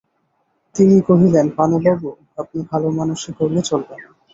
তিনি কহিলেন, পানুবাবু, আপনি ভালোমানষি করলে চলবে না।